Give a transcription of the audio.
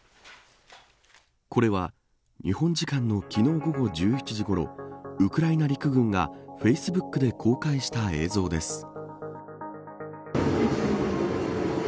これは日本時間の昨日午後１１時ごろウクライナ陸軍がフェイスブックで公開した映像です。